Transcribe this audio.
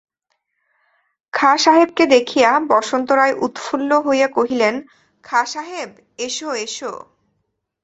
খাঁ সাহেবকে দেখিয়া বসন্ত রায় উৎফুল্ল হইয়া কহিলেন, খাঁ সাহেব, এসো এসো।